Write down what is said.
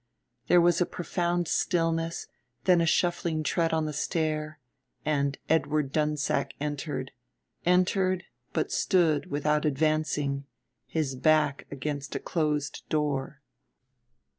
There was a profound stillness, then a shuffling tread on the stair, and Edward Dunsack entered, entered but stood without advancing, his back against a closed door.